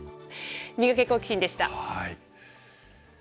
ミガケ、好奇心！でした。